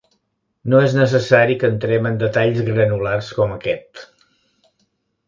No es necessari que entrem en detalls granulars com aquest.